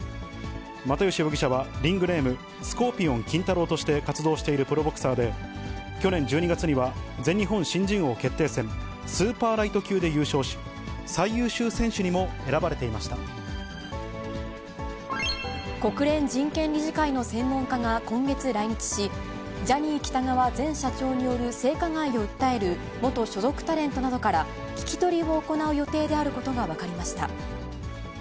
又吉容疑者はリングネーム、スコーピオン金太郎として活動しているプロボクサーで、去年１２月には、全日本新人王決定戦スーパーライト級で優勝し、最優秀選手にも選国連人権理事会の専門家が今月来日し、ジャニー喜多川前社長による性加害を訴える元所属タレントなどから、聞き取りを行う予定であることが分かりました。